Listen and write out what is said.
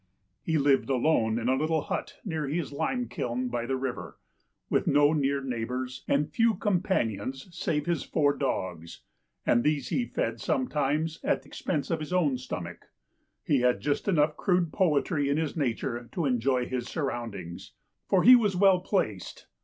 He lived alone in a little hut near his lime kiln by the river, with no near neighbours, and few companions save his four dogs ; and these he fed sometimes at expense of his own stomach. He had just enough crude poetry in his nature to enjoy his surroundings. For he was well placed.